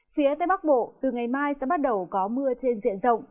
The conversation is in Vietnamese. phía tây bắc bộ từ ngày mai sẽ bắt đầu có mưa trên diện rộng